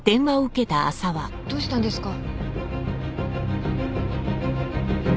どうしたんですか？